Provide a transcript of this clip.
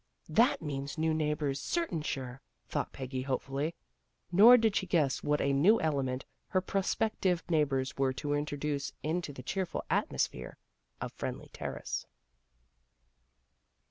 " That means new neighbors, certain sure," thought Peggy hope fully. Nor did she guess what a new element her prospective neighbors were to introduce into the cheerful atmosphere of Friendly Ter race.